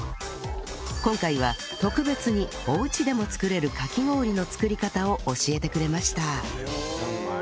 今回は特別にお家でも作れるかき氷の作り方を教えてくれました